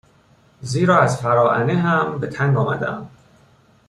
زیرا از فراعنه هم به تنگ آمده ا م